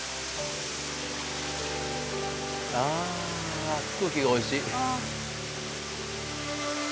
ああ空気がおいしい。